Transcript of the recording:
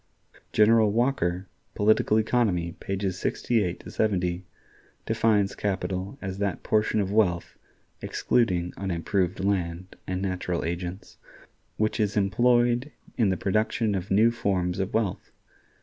General Walker ("Political Economy," pages 68 70) defines capital as that portion of wealth (excluding unimproved land and natural agents) which is employed in the production of new forms of wealth.